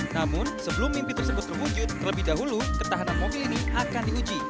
namun sebelum mimpi tersebut terwujud terlebih dahulu ketahanan mobil ini akan diuji